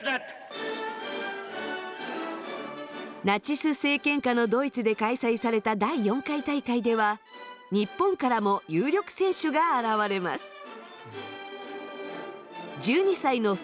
ナチス政権下のドイツで開催された第４回大会では日本からも有力選手が現れます。